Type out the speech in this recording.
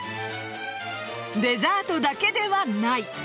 デザートだけではない。